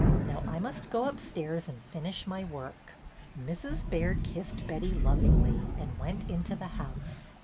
Now I must go upstairs and finish my work." Mrs. Baird kissed Betty lovingly and went into the house.